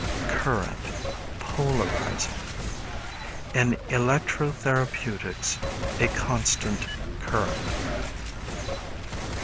Current, Polarizing. In electro therapeutics, a constant current.